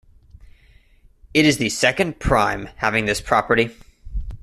It is the second prime having this property.